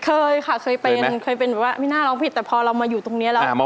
เคยค่ะเคยเป็นไม่น่าร้องผิดแต่พอเรามาอยู่ตรงนี้แล้ว